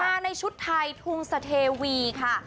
ในชุดไทยทุงสเทวีค่ะ